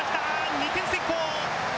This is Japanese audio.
２点先行。